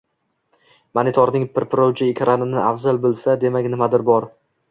monitorning pirpirovchi ekranini afzal bilsa, demak nimadur xato.